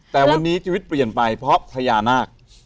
แต่วันนี้ชีวิตเปลี่ยนไปเพราะพญานาค